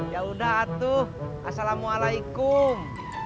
yaudah atuh assalamualaikum